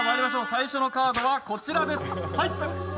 最初のカードはこちらです。